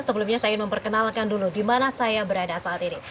sebelumnya saya ingin memperkenalkan dulu di mana saya berada saat ini